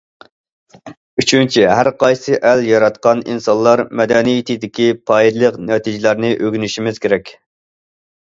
ئۈچىنچى، ھەر قايسى ئەل ياراتقان ئىنسانلار مەدەنىيىتىدىكى پايدىلىق نەتىجىلەرنى ئۆگىنىشىمىز كېرەك.